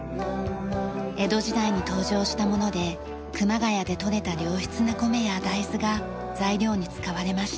江戸時代に登場したもので熊谷で取れた良質な米や大豆が材料に使われました。